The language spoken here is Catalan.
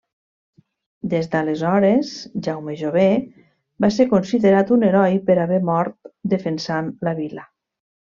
Des d'aleshores, Jaume Jover va ser considerat un heroi per haver mort defensant la vila.